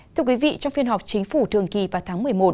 thưa quý vị trong phiên họp chính phủ thường kỳ vào tháng một mươi một